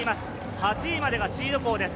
８位までがシード校です。